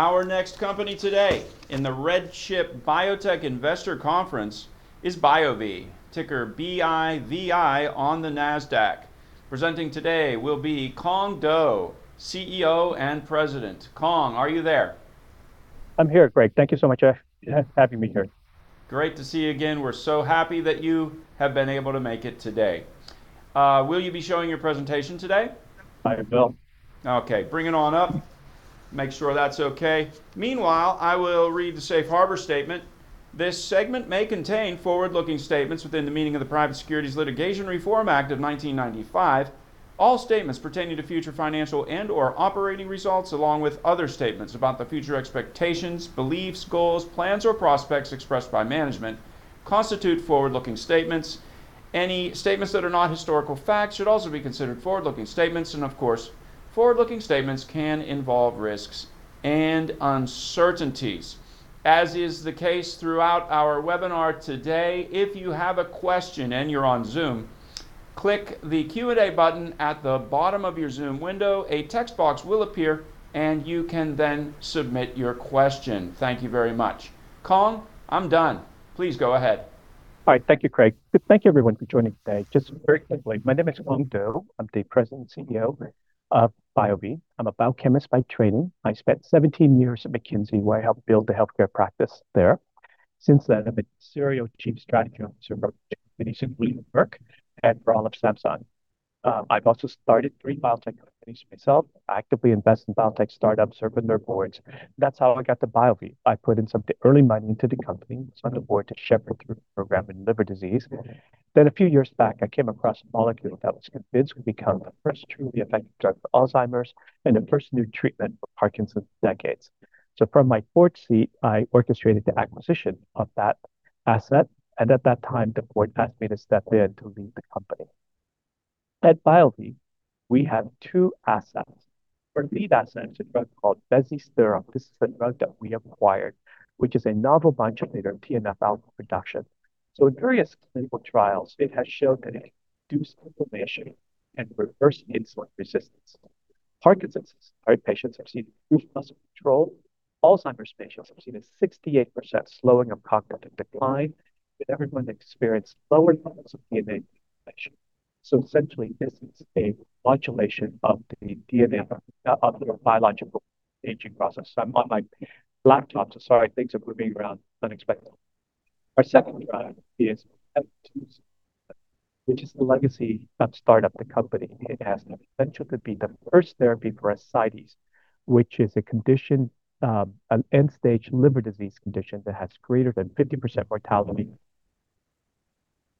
Our next company today in the RedChip Biotech Investor Conference is BioVie, ticker BIVI on the Nasdaq. Presenting today will be Cuong Do, CEO and President. Cuong, are you there? I'm here, Greg. Thank you so much. Happy to be here. Great to see you again. We're so happy that you have been able to make it today. Will you be showing your presentation today? I will. Okay. Bring it on up. Make sure that's okay. Meanwhile, I will read the Safe Harbor statement. This segment may contain forward-looking statements within the meaning of the Private Securities Litigation Reform Act of 1995. All statements pertaining to future financial and/or operating results, along with other statements about the future expectations, beliefs, goals, plans, or prospects expressed by management, constitute forward-looking statements. Any statements that are not historical facts should also be considered forward-looking statements, and of course, forward-looking statements can involve risks and uncertainties. As is the case throughout our webinar today, if you have a question and you're on Zoom, click the Q&A button at the bottom of your Zoom window. A text box will appear, and you can then submit your question. Thank you very much. Cuong, I'm done. Please go ahead. All right. Thank you, Greg. Thank you everyone for joining today. Just very quickly, my name is Cuong Do. I'm the President, CEO of BioVie. I'm a biochemist by training. I spent 17 years at McKinsey, where I helped build the healthcare practice there. Since then, I've been serial Chief Strategy Officer for companies including Merck and Samsung. I've also started three biotech companies myself, actively invest in biotech startups, serve on their boards. That's how I got to BioVie. I put in some early money into the company, sat on the board to shepherd through program in liver disease. A few years back, I came across a molecule that I was convinced would become the first truly effective drug for Alzheimer's and the first new treatment for Parkinson's in decades. From my board seat, I orchestrated the acquisition of that asset, and at that time, the board asked me to step in to lead the company. At BioVie, we have two assets. Our lead asset is a drug called bezisterim. This is a drug that we acquired, which is a novel modulator of TNF-alpha production. In various clinical trials, it has shown that it can reduce inflammation and reverse insulin resistance. Parkinson's disease patients have seen improved muscle control. Alzheimer's patients have seen a 68% slowing of cognitive decline, and everyone experienced lower levels of DNA inflammation. Essentially, this is a modulation of the DNA of your biological aging process. I'm on my laptop, so sorry, things are moving around unexpectedly. Our second drug is BIV201, which is the legacy of startup the company. It has the potential to be the first therapy for ascites, which is an end-stage liver disease condition that has greater than 50% mortality.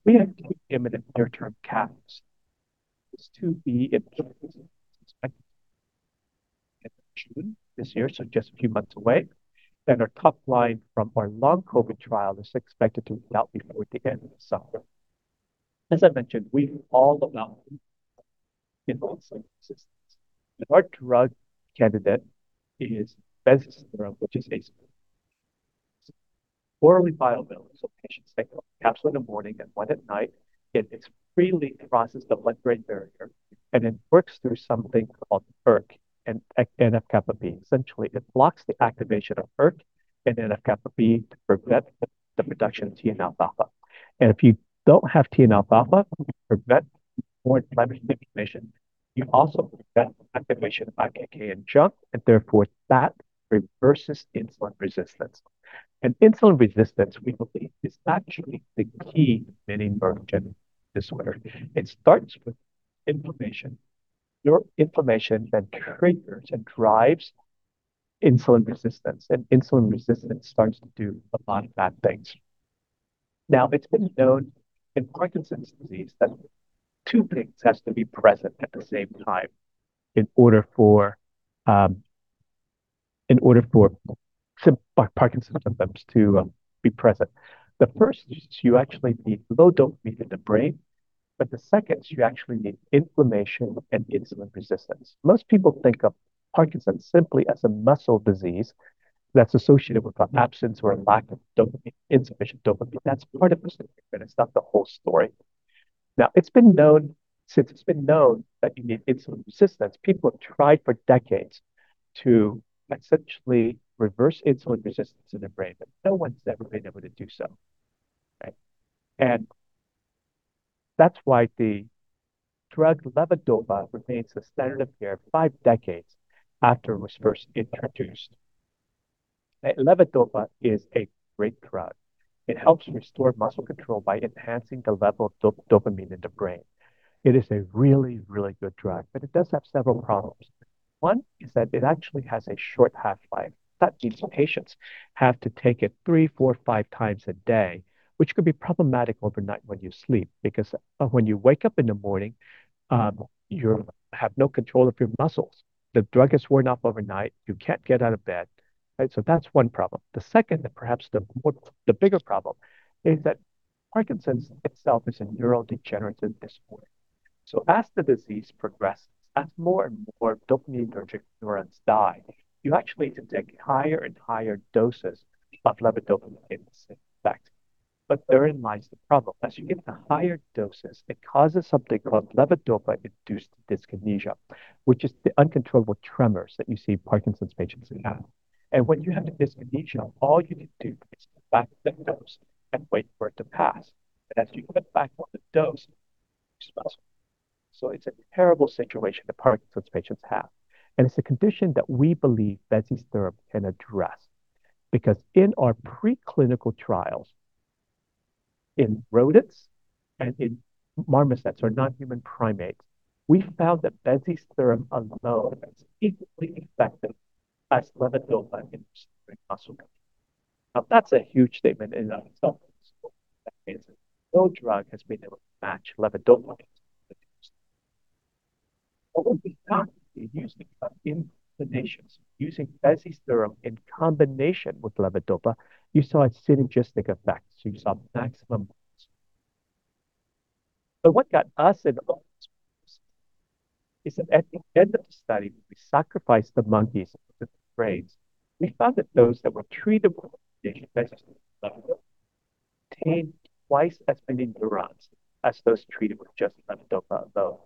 We have two imminent near-term catalysts. These two will be in June this year, so just a few months away. Our top line from our long COVID trial is expected to be out before the end of summer. As I mentioned, we all know insulin resistance. Our drug candidate is bezisterim, which is orally bioavailable, so patients take a capsule in the morning and one at night. It freely crosses the blood-brain barrier, and it works through something called ERK and NF-kappaB. Essentially, it blocks the activation of ERK and NF-kappaB to prevent the production of TNF-alpha. If you don't have TNF-alpha, you prevent more inflammation. You also prevent activation of ERK and JNK, and therefore, that reverses insulin resistance. Insulin resistance, we believe, is actually the key to many various disorders. It starts with inflammation. Your inflammation then triggers and drives insulin resistance, and insulin resistance starts to do a lot of bad things. Now, it's been known in Parkinson's disease that two things has to be present at the same time in order for Parkinson's symptoms to be present. The first is you actually need low dopamine in the brain, but the second is you actually need inflammation and insulin resistance. Most people think of Parkinson's simply as a muscle disease that's associated with an absence or a lack of dopamine, insufficient dopamine. That's part of the story, but it's not the whole story. Now, since it's been known that you need insulin resistance, people have tried for decades to essentially reverse insulin resistance in the brain, but no one's ever been able to do so. Right? That's why the drug levodopa remains the standard of care five decades after it was first introduced. Levodopa is a great drug. It helps restore muscle control by enhancing the level of dopamine in the brain. It is a really, really good drug, but it does have several problems. One is that it actually has a short half-life. That means patients have to take it three, four, five times a day, which could be problematic overnight when you sleep, because when you wake up in the morning, you have no control of your muscles. The drug has worn off overnight. You can't get out of bed. Right, so that's one problem. The second, and perhaps the bigger problem is that Parkinson's itself is a neurodegenerative disorder. As the disease progresses, as more and more dopaminergic neurons die, you actually need to take higher and higher doses of levodopa to get the same effect. Therein lies the problem. As you give the higher doses, it causes something called levodopa-induced dyskinesia, which is the uncontrollable tremors that you see in Parkinson's patients who have. When you have the dyskinesia, all you need to do is back the dose and wait for it to pass. As you back off the dose, it's muscle. It's a terrible situation that Parkinson's patients have. It's a condition that we believe bezisterim can address, because in our preclinical trials in rodents and in marmosets or non-human primates, we found that bezisterim alone is equally effective as levodopa in restoring muscle mass. Now, that's a huge statement in and of itself. That means that no drug has been able to match levodopa. When we started using combinations, using bezisterim in combination with levodopa, you saw a synergistic effect. You saw maximum results. What got us at all is that at the end of the study, we sacrificed the monkeys' brains. We found that those that were treated with the bezisterim levodopa retained twice as many neurons as those treated with just levodopa alone,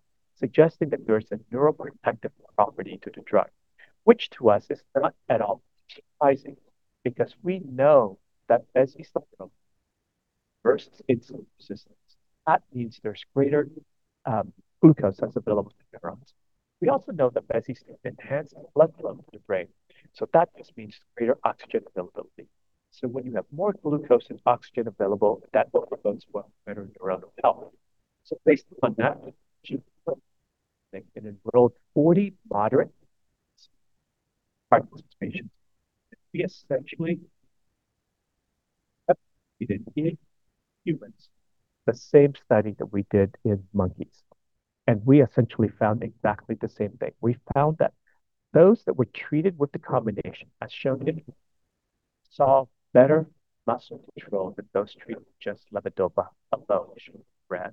suggesting that there's a neuroprotective property to the drug, which to us is not at all surprising because we know that bezisterim first aids insulin resistance. That means there's greater glucose that's available to neurons. We also know that bezisterim enhances blood flow to the brain. That just means greater oxygen availability. When you have more glucose and oxygen available, that bodes well for better neuronal health. Based on that, we enrolled 40 moderate Parkinson's patients. We essentially did in humans the same study that we did in monkeys. We essentially found exactly the same thing. We found that those that were treated with the combination, as shown here, saw better muscle control than those treated with just levodopa alone, as shown in red.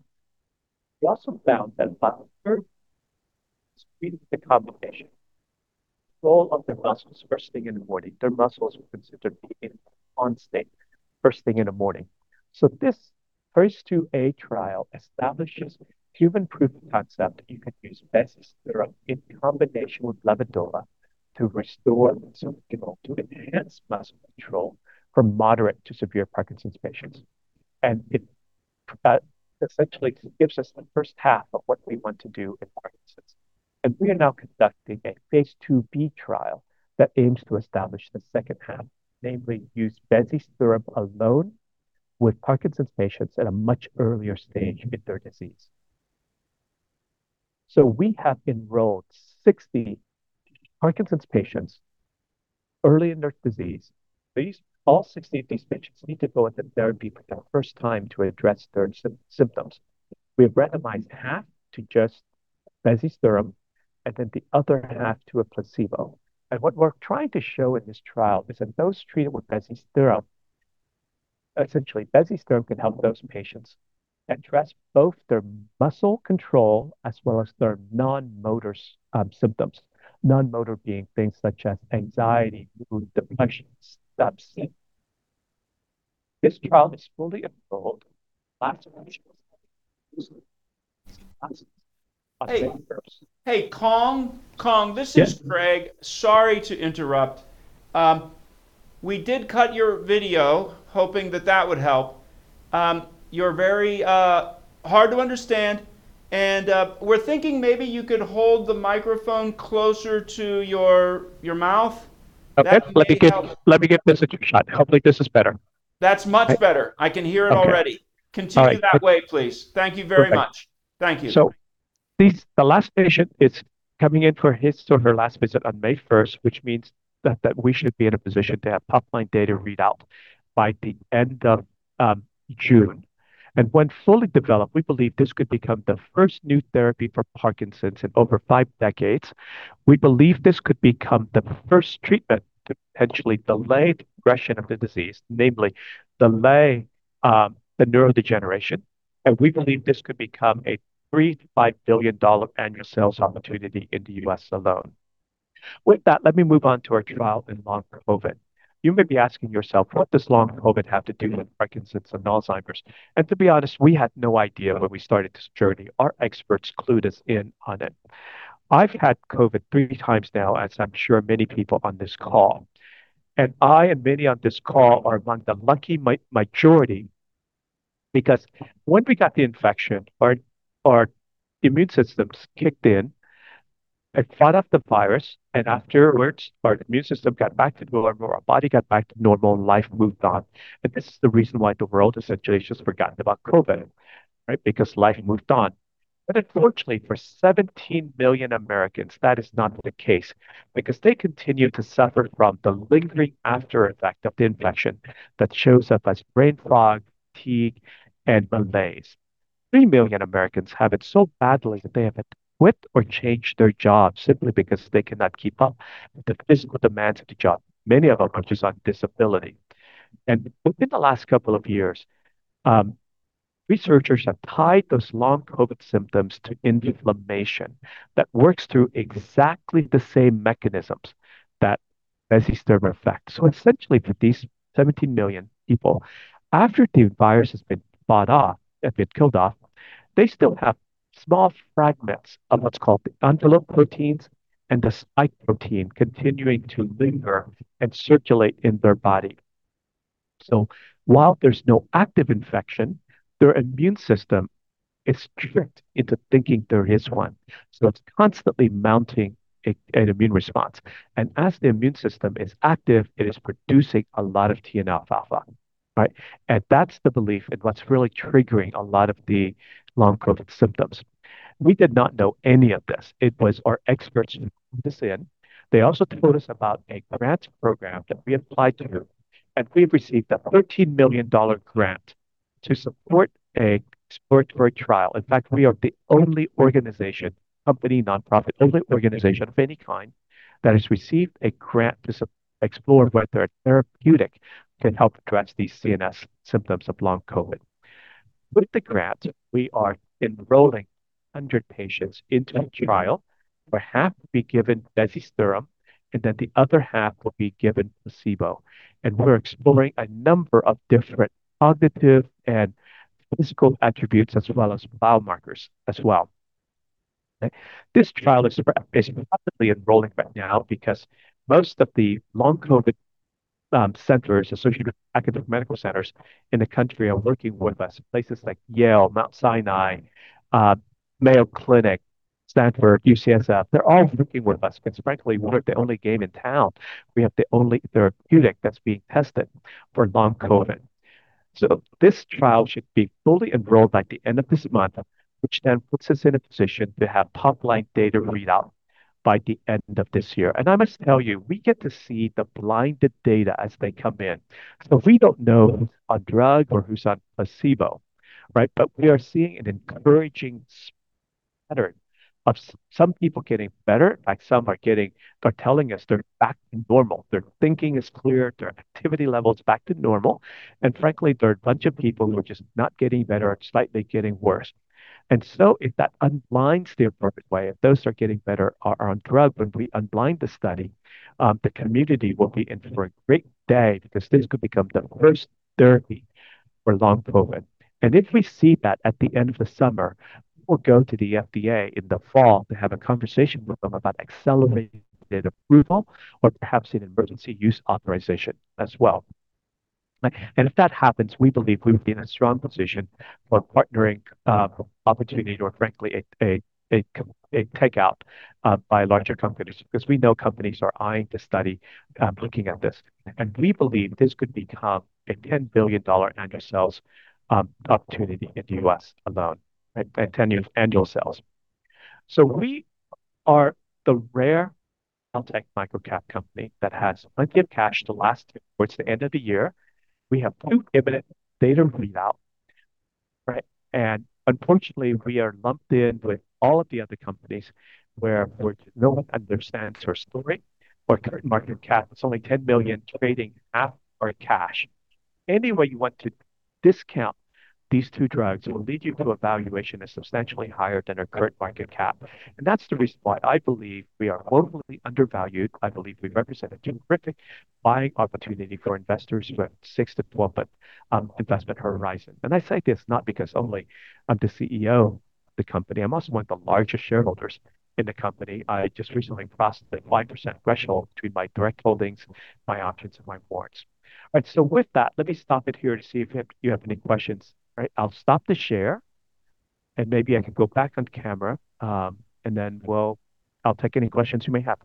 We also found that about a third treated with the combination, all of their muscles first thing in the morning, their muscles were considered to be in on state first thing in the morning. This phase IIa trial establishes human proof of concept. You can use bezisterim in combination with levodopa to restore muscle control, to enhance muscle control for moderate to severe Parkinson's patients. It essentially gives us the first half of what we want to do in Parkinson's. We are now conducting a phase IIb trial that aims to establish the second half, namely use bezisterim alone with Parkinson's patients at a much earlier stage in their disease. We have enrolled 60 Parkinson's patients early in their disease. All 60 of these patients need to go with the therapy for the first time to address their symptoms. We've randomized half to just bezisterim and then the other half to a placebo. What we're trying to show in this trial is that those treated with bezisterim, essentially bezisterim can help those patients address both their muscle control as well as their non-motor symptoms, non-motor being things such as anxiety, mood, depression, substance. This trial is fully enrolled. Hey, Cuong. This is Greg. Sorry to interrupt. We did cut your video hoping that that would help. You're very hard to understand and we are thinking maybe you can hold the microphone closer to your mouth. Let me do that. I hope this is better. That's much better. I can hear already. Continue that way please. Thank you very much. OK. The last patient is coming in for his or her last visit on May 1st, which means that we should be in a position to have top-line data readout by the end of June. When fully developed, we believe this could become the first new therapy for Parkinson's in over five decades. We believe this could become the first treatment to potentially delay the progression of the disease, namely delay the neurodegeneration. We believe this could become a $3 billion-$5 billion annual sales opportunity in the U.S. alone. With that, let me move on to our trial in long COVID. You may be asking yourself, what does long COVID have to do with Parkinson's and Alzheimer's? To be honest, we had no idea when we started this journey. Our experts clued us in on it. I've had COVID three times now, as I'm sure many people on this call. I and many on this call are among the lucky majority, because when we got the infection, our immune systems kicked in and fought off the virus, and afterwards, our immune system got back to normal, our body got back to normal, and life moved on. This is the reason why the world has essentially just forgotten about COVID, right? Because life moved on. Unfortunately, for 17 million Americans, that is not the case because they continue to suffer from the lingering aftereffect of the infection that shows up as brain fog, fatigue, and malaise. 3 million Americans have it so badly that they have had to quit or change their jobs simply because they cannot keep up with the physical demands of the job. Many of them are on disability. Within the last couple of years, researchers have tied those long COVID symptoms to inflammation that works through exactly the same mechanisms that bezisterim affects. Essentially, for these 17 million people, after the virus has been fought off and been killed off, they still have small fragments of what's called the envelope proteins and the spike protein continuing to linger and circulate in their body. While there's no active infection, their immune system is tricked into thinking there is one, so it's constantly mounting an immune response. As the immune system is active, it is producing a lot of TNF-alpha. Right? That's the belief in what's really triggering a lot of the long COVID symptoms. We did not know any of this. It was our experts who clued us in. They also told us about a grant program that we applied to, and we've received a $13 million grant to support a exploratory trial. In fact, we are the only organization, company, nonprofit, only organization of any kind, that has received a grant to explore whether a therapeutic can help address these CNS symptoms of long COVID. With the grant, we are enrolling 100 patients into the trial, where half will be given bezisterim, and then the other half will be given placebo. We're exploring a number of different cognitive and physical attributes as well as biomarkers as well. This trial is rapidly enrolling right now because most of the long COVID centers associated with academic medical centers in the country are working with us, places like Yale, Mount Sinai, Mayo Clinic, Stanford, UCSF. They're all working with us because, frankly, we're the only game in town. We have the only therapeutic that's being tested for long COVID. This trial should be fully enrolled by the end of this month, which then puts us in a position to have top line data readout by the end of this year. I must tell you, we get to see the blinded data as they come in. We don't know who's on drug or who's on placebo. Right? We are seeing an encouraging pattern of some people getting better. In fact, some are telling us they're back to normal. Their thinking is clear. Their activity level is back to normal. Frankly, there are a bunch of people who are just not getting better or slightly getting worse. If that unblinds the perfect way, if those who are getting better are on drug, when we unblind the study, the community will be in for a great day because this could become the first therapy for long COVID. If we see that at the end of the summer, we'll go to the FDA in the fall to have a conversation with them about Accelerated Approval or perhaps an Emergency Use Authorization as well. If that happens, we believe we would be in a strong position for partnering opportunity or frankly, a take out by larger companies, because we know companies are eyeing the study, looking at this. We believe this could become a $10 billion annual sales opportunity in the U.S. alone, annual sales. We are the rare health tech microcap company that has plenty of cash to last towards the end of the year. We have two imminent data readout. Right? Unfortunately, we are lumped in with all of the other companies where no one understands our story. Our current market cap is only $10 million, trading half our cash. Any way you want to discount these two drugs will lead you to a valuation that's substantially higher than our current market cap. That's the reason why I believe we are woefully undervalued. I believe we represent a terrific buying opportunity for investors who have 6-12-month investment horizon. I say this not because only I'm the CEO of the company, I'm also one of the largest shareholders in the company. I just recently crossed the 5% threshold between my direct holdings, my options, and my warrants. All right, so with that, let me stop it here to see if you have any questions. Right? I'll stop the share, and maybe I can go back on camera, and then I'll take any questions you may have.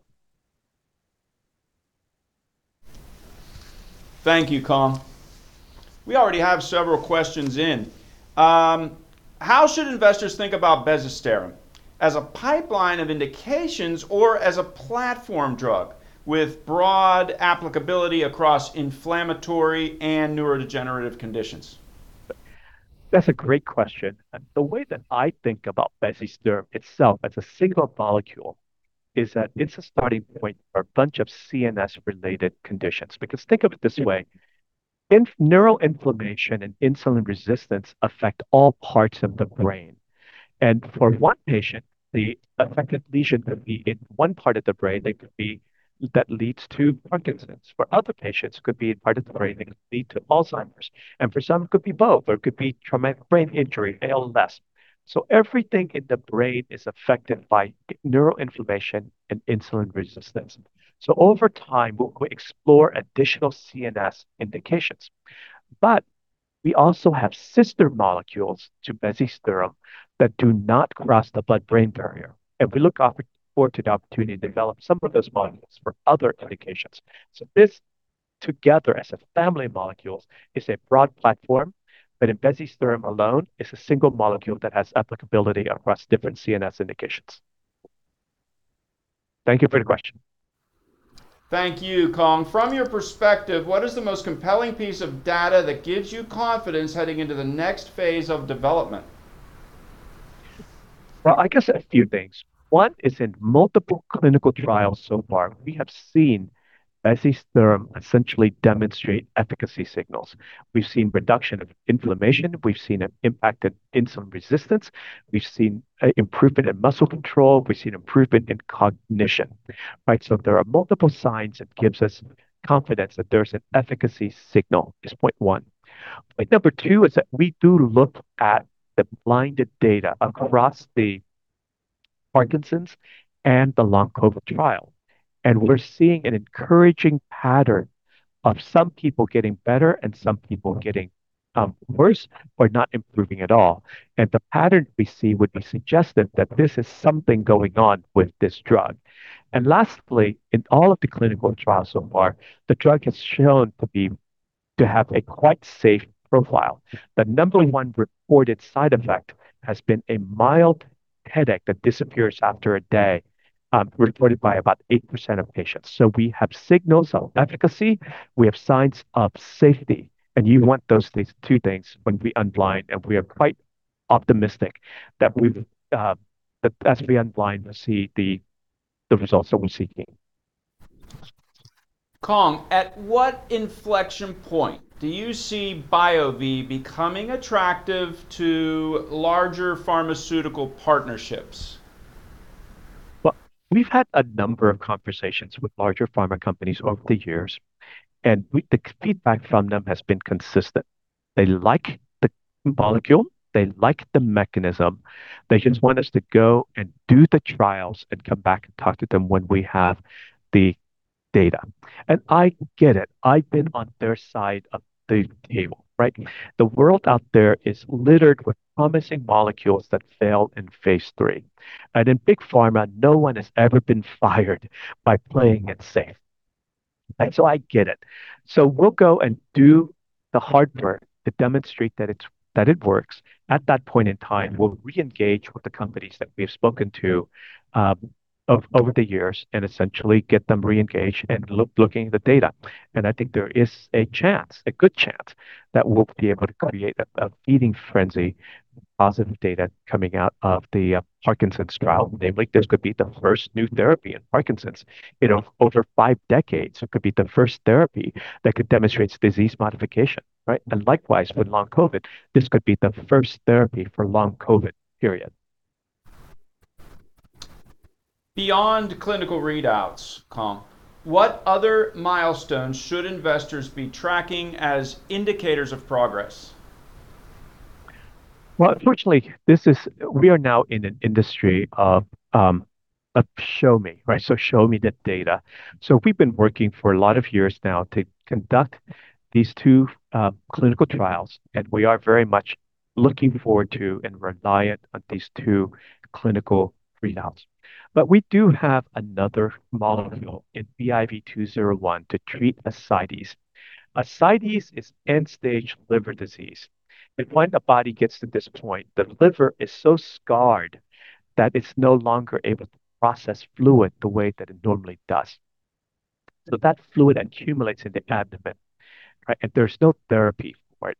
Thank you, Cuong. We already have several questions in. How should investors think about bezisterim? As a pipeline of indications or as a platform drug with broad applicability across inflammatory and neurodegenerative conditions? That's a great question. The way that I think about bezisterim itself as a single molecule is that it's a starting point for a bunch of CNS-related conditions. Because think of it this way, neural inflammation and insulin resistance affect all parts of the brain. For one patient, the affected lesion could be in one part of the brain that leads to Parkinson's. For other patients, it could be in a part of the brain that could lead to Alzheimer's. For some, it could be both, or it could be traumatic brain injury, ALS. Everything in the brain is affected by neural inflammation and insulin resistance. Over time, we'll explore additional CNS indications. We also have sister molecules to bezisterim that do not cross the blood-brain barrier. We look forward to the opportunity to develop some of those molecules for other indications. This together as a family of molecules is a broad platform, but in bezisterim alone is a single molecule that has applicability across different CNS indications. Thank you for the question. Thank you, Cuong. From your perspective, what is the most compelling piece of data that gives you confidence heading into the next phase of development? Well, I guess a few things. One is in multiple clinical trials so far, we have seen bezisterim essentially demonstrate efficacy signals. We've seen reduction of inflammation, we've seen an impact in insulin resistance, we've seen improvement in muscle control, we've seen improvement in cognition, right? There are multiple signs that gives us confidence that there's an efficacy signal, is point one. Point number two is that we do look at the blinded data across the Parkinson's and the long COVID trial. We're seeing an encouraging pattern of some people getting better and some people getting worse or not improving at all. The pattern we see would be suggestive that this is something going on with this drug. Lastly, in all of the clinical trials so far, the drug has shown to have a quite safe profile. The number one reported side effect has been a mild headache that disappears after a day, reported by about 8% of patients. We have signals of efficacy, we have signs of safety, and you want those two things when we unblind, and we are quite optimistic that as we unblind, we'll see the results that we're seeking. Cuong, at what inflection point do you see BioVie becoming attractive to larger pharmaceutical partnerships? Well, we've had a number of conversations with larger pharma companies over the years, and the feedback from them has been consistent. They like the molecule, they like the mechanism. They just want us to go and do the trials and come back and talk to them when we have the data. I get it. I've been on their side of the table, right? The world out there is littered with promising molecules that fail in phase III. In big pharma, no one has ever been fired by playing it safe. I get it. We'll go and do the hard work to demonstrate that it works. At that point in time, we'll re-engage with the companies that we've spoken to over the years and essentially get them re-engaged and looking at the data. I think there is a chance, a good chance, that we'll be able to create a feeding frenzy, positive data coming out of the Parkinson's trial. Namely, this could be the first new therapy in Parkinson's in over five decades. It could be the first therapy that could demonstrate disease modification, right? Likewise, with long COVID, this could be the first therapy for long COVID, period. Beyond clinical readouts, Cuong, what other milestones should investors be tracking as indicators of progress? Well, unfortunately, we are now in an industry of show me. show me the data. we've been working for a lot of years now to conduct these two clinical trials, and we are very much looking forward to and reliant on these two clinical readouts. we do have another molecule in BIV201 to treat ascites. Ascites is end-stage liver disease, and when the body gets to this point, the liver is so scarred that it's no longer able to process fluid the way that it normally does. that fluid accumulates in the abdomen, right, and there's no therapy for it.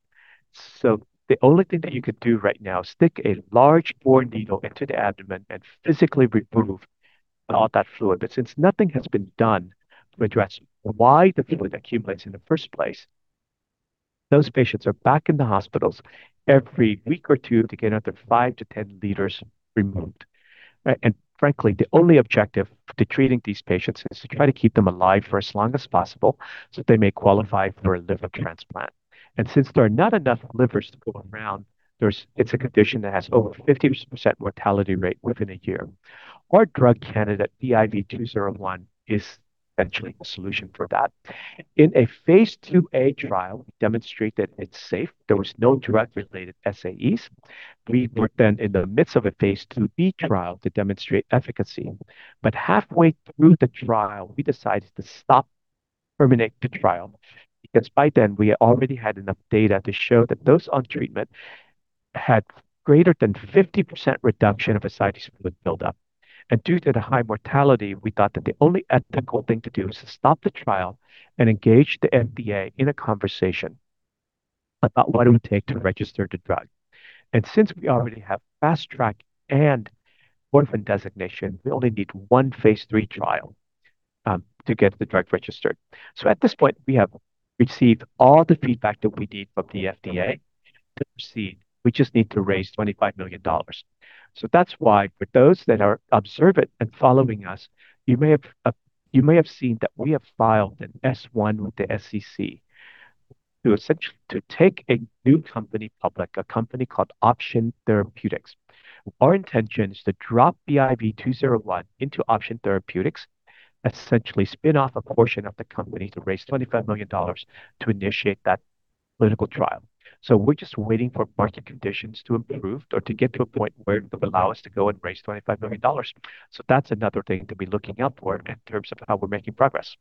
the only thing that you could do right now is stick a large bore needle into the abdomen and physically remove all that fluid. Since nothing has been done to address why the fluid accumulates in the first place, those patients are back in the hospitals every week or two to get another 5-10 L removed. Frankly, the only objective to treating these patients is to try to keep them alive for as long as possible so they may qualify for a liver transplant. Since there are not enough livers to go around, it's a condition that has over 50% mortality rate within a year. Our drug candidate, BIV201, is essentially a solution for that. In a phase IIa trial, we demonstrate that it's safe. There was no drug related SAEs. We were then in the midst of a phase IIb trial to demonstrate efficacy. Halfway through the trial, we decided to stop, terminate the trial, because by then we already had enough data to show that those on treatment had greater than 50% reduction of ascites fluid buildup. Due to the high mortality, we thought that the only ethical thing to do is to stop the trial and engage the FDA in a conversation about what it would take to register the drug. Since we already have Fast Track and Orphan Designation, we only need one phase III trial to get the drug registered. At this point, we have received all the feedback that we need from the FDA to proceed. We just need to raise $25 million. That's why for those that are observant and following us, you may have seen that we have filed an S1 with the SEC to take a new company public, a company called Option Therapeutics. Our intention is to drop BIV201 into Option Therapeutics, essentially spin off a portion of the company to raise $25 million to initiate that clinical trial. We're just waiting for market conditions to improve or to get to a point where it would allow us to go and raise $25 million. That's another thing to be looking out for in terms of how we're making progress.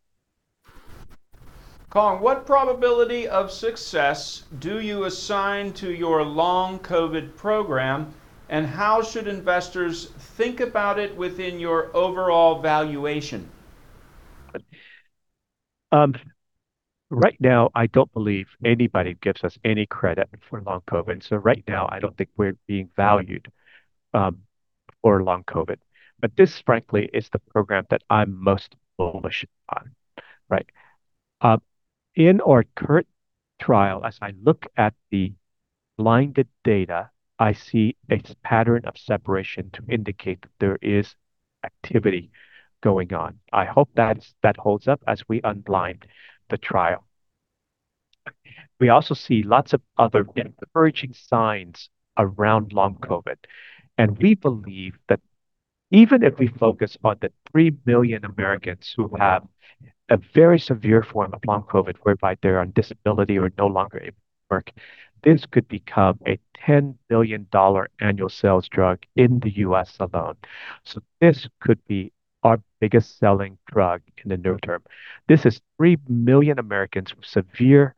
Cuong, what probability of success do you assign to your long COVID program, and how should investors think about it within your overall valuation? Right now, I don't believe anybody gives us any credit for long COVID, so right now I don't think we're being valued for long COVID. This, frankly, is the program that I'm most bullish on. In our current trial, as I look at the blinded data, I see a pattern of separation to indicate that there is activity going on. I hope that holds up as we unblind the trial. We also see lots of other encouraging signs around long COVID, and we believe that even if we focus on the 3 million Americans who have a very severe form of long COVID, whereby they're on disability or no longer able to work, this could become a $10 billion annual sales drug in the U.S. alone. This could be our biggest-selling drug in the near term. This is 3 million Americans with severe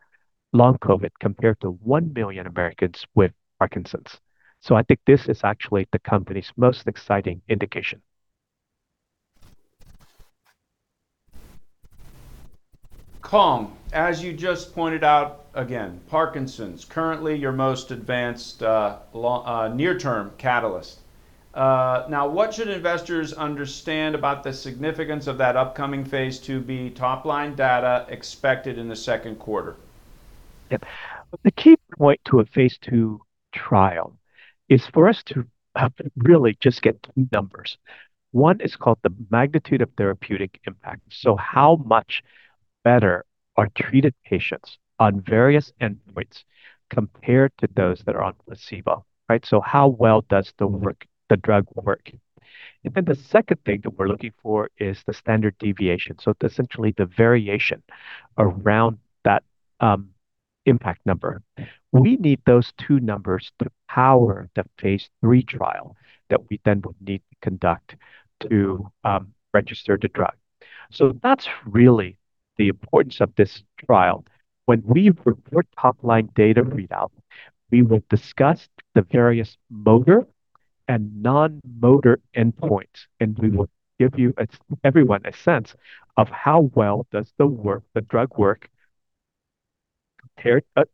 long COVID compared to 1 million Americans with Parkinson's. I think this is actually the company's most exciting indication. Cuong, as you just pointed out again, Parkinson's is currently your most advanced near-term catalyst. Now, what should investors understand about the significance of that upcoming phase IIb top-line data expected in the second quarter? Yep. The key point to a phase II trial is for us to have really just get two numbers. One is called the magnitude of therapeutic impact, so how much better are treated patients on various endpoints compared to those that are on placebo? How well does the drug work? The second thing that we're looking for is the standard deviation, so essentially the variation around that impact number. We need those two numbers to power the phase III trial that we then would need to conduct to register the drug. That's really the importance of this trial. When we report top-line data readout, we will discuss the various motor and non-motor endpoints, and we will give everyone a sense of how well does the drug work compared at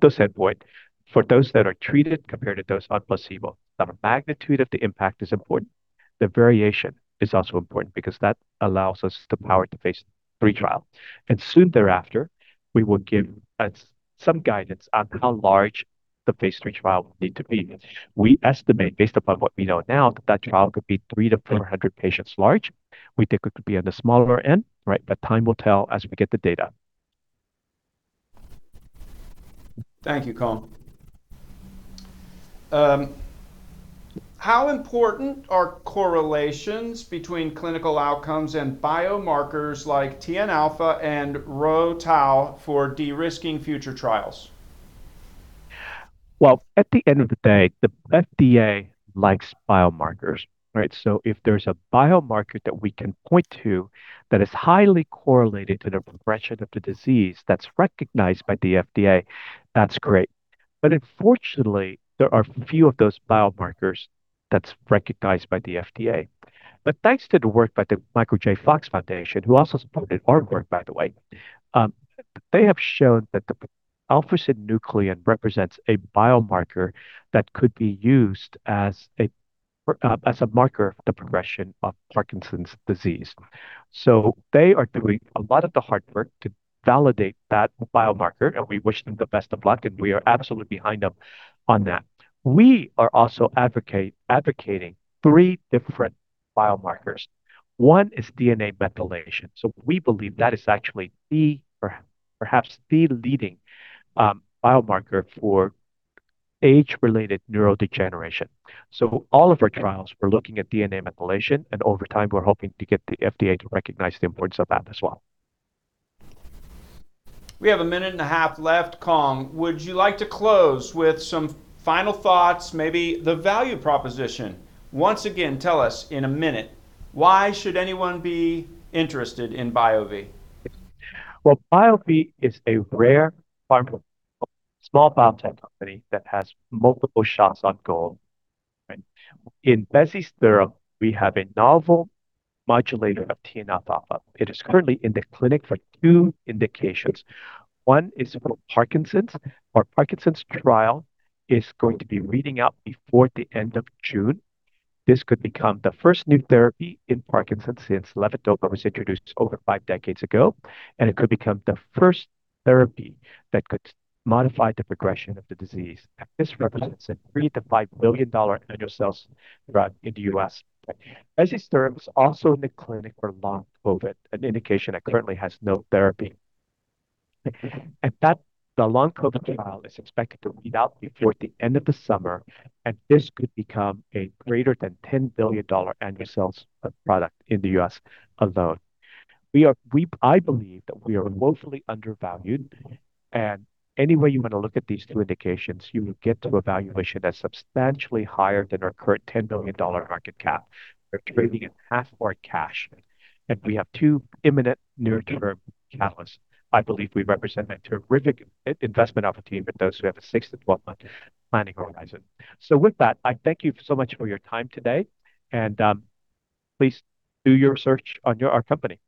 those endpoint for those that are treated compared to those on placebo. Now, the magnitude of the impact is important. The variation is also important because that allows us the power to phase III trial. Soon thereafter, we will give some guidance on how large the phase III trial will need to be. We estimate, based upon what we know now, that that trial could be three to 500 patients large. We think it could be on the smaller end, but time will tell as we get the data. Thank you, Cuong. How important are correlations between clinical outcomes and biomarkers like TNF-alpha and low tau for de-risking future trials? Well, at the end of the day, the FDA likes biomarkers. If there's a biomarker that we can point to that is highly correlated to the progression of the disease that's recognized by the FDA, that's great. Unfortunately, there are few of those biomarkers that's recognized by the FDA. Thanks to the work by the Michael J. Fox Foundation, who also supported our work, by the way, they have shown that the alpha-synuclein represents a biomarker that could be used as a marker of the progression of Parkinson's disease. They are doing a lot of the hard work to validate that biomarker, and we wish them the best of luck, and we are absolutely behind them on that. We are also advocating three different biomarkers. One is DNA methylation. We believe that is actually perhaps the leading biomarker for age-related neurodegeneration. All of our trials, we're looking at DNA methylation, and over time, we're hoping to get the FDA to recognize the importance of that as well. We have a minute and a half left, Cuong. Would you like to close with some final thoughts, maybe the value proposition? Once again, tell us in a minute, why should anyone be interested in BioVie? Well, BioVie is a rare pharmaceutical, small biotech company that has multiple shots on goal. In bezisterim, we have a novel modulator of TNF-alpha. It is currently in the clinic for two indications. One is for Parkinson's. Our Parkinson's trial is going to be reading out before the end of June. This could become the first new therapy in Parkinson's since levodopa was introduced over five decades ago, and it could become the first therapy that could modify the progression of the disease. This represents a $3 billion-$5 billion annual sales run-rate in the U.S. Bezisterim was also in the clinic for long COVID, an indication that currently has no therapy. In fact, the long COVID trial is expected to read out before the end of the summer, and this could become a greater than $10 billion annual sales product in the U.S. alone. I believe that we are woefully undervalued, and any way you want to look at these two indications, you will get to a valuation that's substantially higher than our current $10 billion market cap. We're trading at half our cash, and we have two imminent near-term catalysts. I believe we represent a terrific investment opportunity for those who have a 6-12-month planning horizon. With that, I thank you so much for your time today, and please do your research on our company.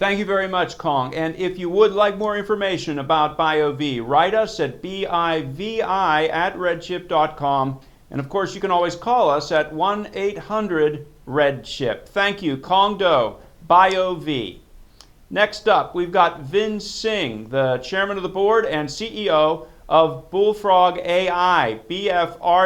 Thank you very much, Cuong. If you would like more information about BioVie, write us at bivi@redchip.com, and of course, you can always call us at 1-800-RED-CHIP. Thank you, Cuong Do, BioVie. Next up, we've got Vin Singh, the Chairman of the Board and CEO of BullFrog AI, BFR-